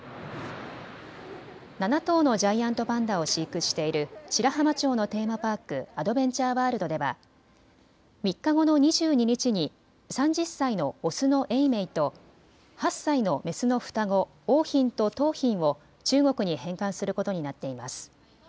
７頭のジャイアントパンダを飼育している白浜町のテーマパーク、アドベンチャーワールドでは３日後の２２日に３０歳のオスの永明と、８歳のメスの双子、桜浜と桃浜を中国に返還することになっています。